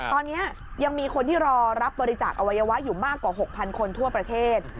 ตอนนี้ยังมีคนที่รอรับบริจาคอวัยวะอยู่มากกว่า๖๐๐คนทั่วประเทศ